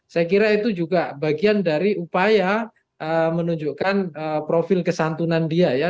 saya kira itu juga bagian dari upaya menunjukkan profil kesantunan dia ya